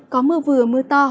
có mưa vừa mưa to